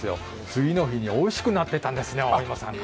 次の日においしくなってたんですね、お芋さんが。